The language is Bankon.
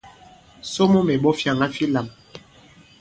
Somo mɛ̀ ɓᴐ fyàŋa fi lām.